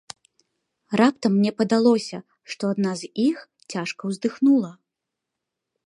Раптам мне падалося, што адна з іх цяжка ўздыхнула.